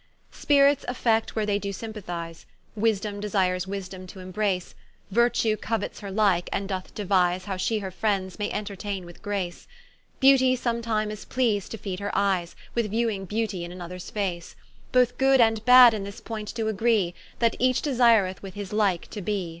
Spirits affect where they doe sympathize, Wisdome desires Wisdome to embrace, Virtue couets her like, and doth deuize How she her friends may entertaine with grace; Beauty sometime is pleas'd to feed her eyes, With viewing Beautie in anothers face: Both good and bad in this point doe agree, That each desireth with his like to be.